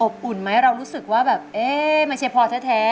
อุ่นไหมเรารู้สึกว่าแบบเอ๊ะไม่ใช่พ่อแท้